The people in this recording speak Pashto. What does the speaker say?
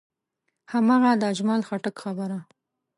هماغه د اجمل خټک خبره.